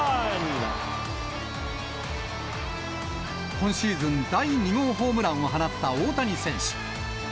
今シーズン第２号ホームランを放った大谷選手。